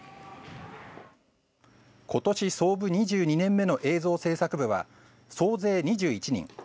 今年創部２２年目の映像制作部は総勢２１人。